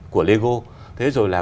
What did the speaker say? của lego thế rồi là